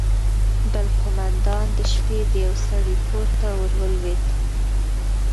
بل قومندان د شپې د يوه سړي کور ته ورولوېد.